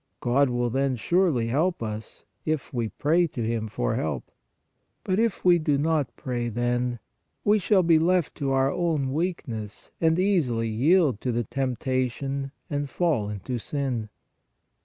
God will then surely help us, if we pray to Him for help; but if we do not pray then, we shall be left to our own weakness and easily yield to the temptation and fall into sin.